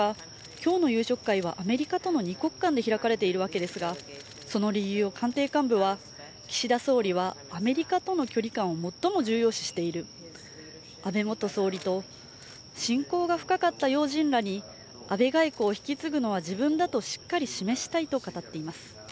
今日の夕食会はアメリカとの２国間で開かれているわけですが、その理由を官邸幹部は岸田総理はアメリカとの距離感を最も重要視している、安倍元総理と親交が深かった要人らに安倍外交を引き継ぐのは自分だとしっかり示したいと語っています。